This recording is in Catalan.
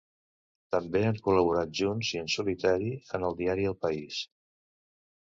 També han col·laborat, junts i en solitari, en el diari El País.